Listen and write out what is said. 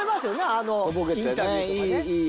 あのインタビューとかね。